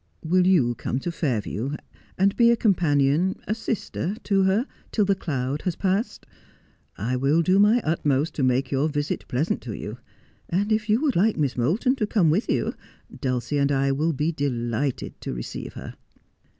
"Will you come to Fairview and be a companion — a sister to her till the cloud has passed? I will do my utmost to make your visit pleasant to you ; and if you would like Miss Moulton to come with you, Dulcie and I will be delighted to receive her.'